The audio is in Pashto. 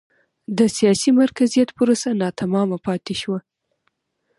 د سیاسي مرکزیت پروسه ناتمامه پاتې شوه.